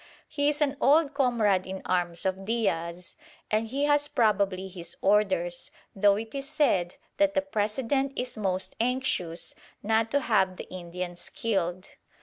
He is an old comrade in arms of Diaz, and he has probably his orders, though it is said that the President is most anxious not to have the Indians killed.